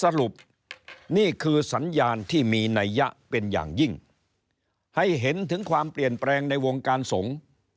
สรุปนี่คือสัญญาณที่มีนัยยะเป็นอย่างยิ่งให้เห็นถึงความเปลี่ยนแปลงในวงการสงฆ์